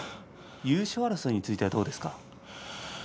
優勝争いについてはどうですか。